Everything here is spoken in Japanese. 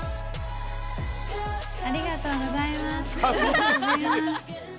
ありがとうございます。